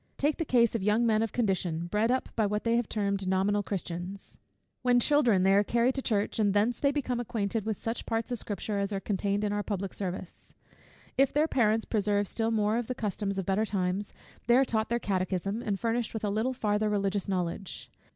Take the case of young men of condition, bred up by what we have termed nominal Christians. When children, they are carried to church, and thence they become acquainted with such parts of Scripture as are contained in our public service. If their parents preserve still more of the customs of better times, they are taught their Catechism, and furnished with a little farther religious knowledge.